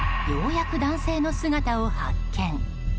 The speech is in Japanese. ようやく男性の姿を発見。